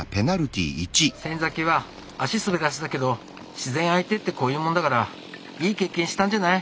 先は足滑らせたけど自然相手ってこういうもんだからいい経験したんじゃない？